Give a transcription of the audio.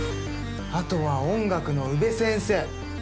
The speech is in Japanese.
あとは音楽の宇部先生。